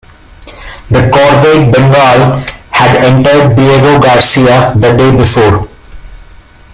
The corvette "Bengal" had entered Diego Garcia the day before.